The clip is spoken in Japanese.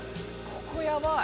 ここヤバい。